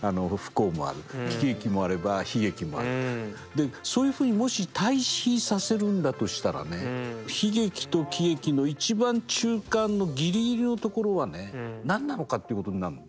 でそういうふうにもし対比させるんだとしたらね悲劇と喜劇の一番中間のギリギリのところはね何なのかっていうことになるの。